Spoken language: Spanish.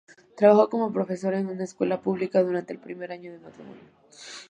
Trabajó como profesora en una escuela pública durante el primer año de matrimonio.